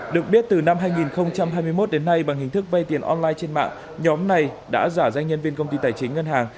được biết từ năm hai nghìn hai mươi một đến nay bằng hình thức vay tiền online trên mạng nhóm này đã giả danh nhân viên công ty tài chính ngân hàng